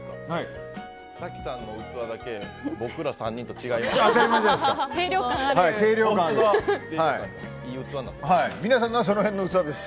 早紀さんの器だけ僕ら３人と違います。